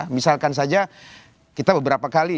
misalkan saja kita beberapa kali